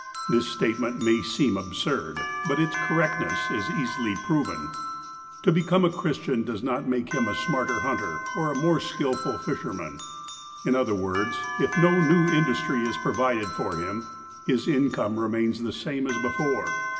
This statement may seem absurd, but its correctness is easily proven. To be come a Christian does not make him a smarter hunter, or a more skillful fisherman. In other words, if no new in dustry is provided for him, his income remains the same as before.